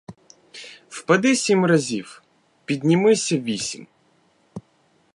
Впади сім разів, піднімися вісім.